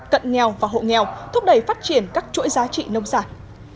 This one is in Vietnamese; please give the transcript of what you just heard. cận nghèo và hộ nghèo thúc đẩy phát triển các chuỗi giá trị nông sản